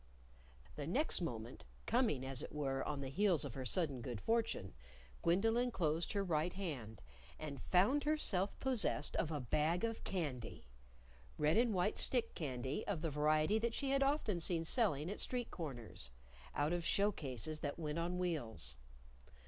The next moment, coming, as it were, on the heels of her sudden good fortune, Gwendolyn closed her right hand and found herself possessed of a bag of candy! red and white stick candy of the variety that she had often seen selling at street corners (out of show cases that went on wheels).